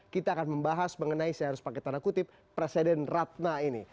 kita akan membahas mengenai saya harus pakai tanda kutip presiden ratna ini